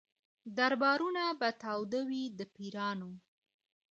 دربارونه به تاوده وي د پیرانو